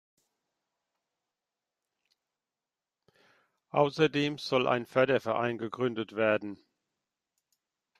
Außerdem soll ein Förderverein gegründet werden.